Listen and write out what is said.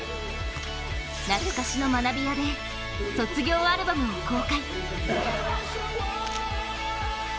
懐かしの学びやで卒業アルバムを公開。